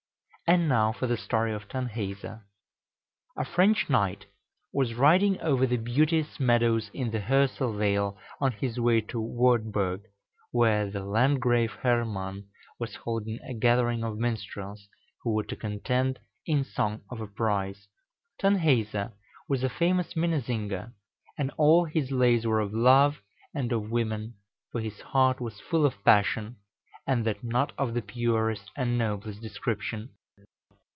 And now for the story of Tanhäuser. A French knight was riding over the beauteous meadows in the Hörsel vale on his way to Wartburg, where the Landgrave Hermann was holding a gathering of minstrels, who were to contend in song for a prize. Tanhäuser was a famous minnesinger, and all his lays were of love and of women, for his heart was full of passion, and that not of the purest and noblest description.